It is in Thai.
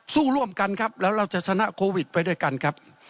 สู้ร่วมกันครับแล้วเราจะชนะโควิดไปด้วยกันครับ